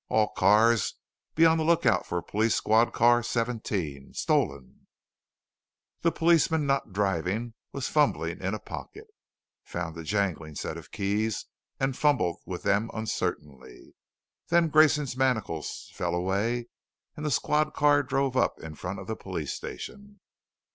"All cars be on the lookout for Police Squad Car Seventeen. Stolen " The policeman not driving was fumbling in a pocket; found a jangling set of keys and fumbled with them uncertainly. Then Grayson's manacles fell away as the squad car drove up in front of the police station.